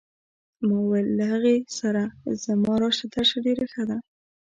ما وویل له هغې سره زما راشه درشه ډېره ښه ده.